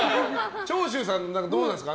長州さんはどうですか。